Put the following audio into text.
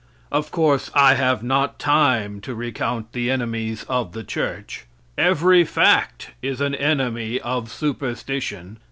Of course I have not time to recount the enemies of the church. Every fact is an enemy of superstition.